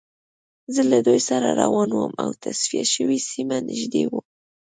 زه له دوی سره روان وم او تصفیه شوې سیمه نږدې وه